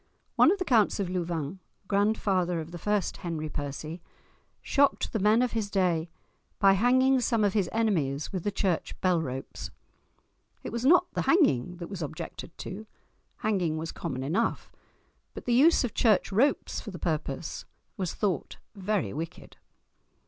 One of the Counts of Louvain, grandfather of the first Henry Percy, shocked the men of his day by hanging some of his enemies with the church bell ropes. It was not the hanging that was objected to—hanging was common enough; but the use of church ropes for the purpose was thought very wicked!